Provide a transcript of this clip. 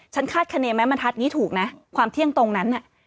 ฉันคาดคะเนมแม้มะทัศน์นี้ถูกนะความเที่ยงตรงนั้น